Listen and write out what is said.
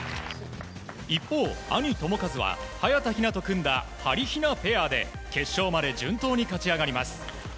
一方、兄・智和は早田ひなと組んだはりひなペアで決勝まで順当に勝ち上がります。